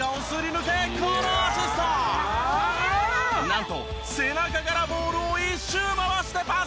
なんと背中からボールを１周回してパス！